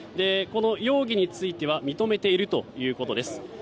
容疑については認めているということです。